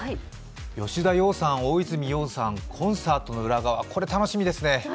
吉田羊さん、大泉洋さん、コンサートの裏側、楽しみですね。